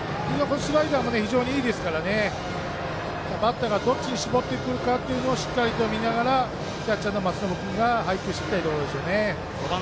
スライダーもいいですからバッターがどっちに絞ってくるかをしっかりと見ながらキャッチャーの松延君が配球してますね。